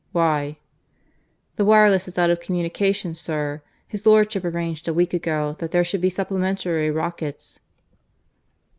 "Why?" "The wireless is out of communication, sir. His lordship arranged a week ago that there should be supplementary rockets."